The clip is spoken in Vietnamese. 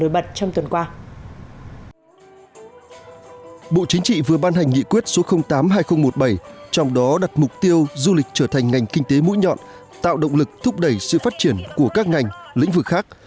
bộ chính trị vừa ban hành nghị quyết số tám hai nghìn một mươi bảy trong đó đặt mục tiêu du lịch trở thành ngành kinh tế mũi nhọn tạo động lực thúc đẩy sự phát triển của các ngành lĩnh vực khác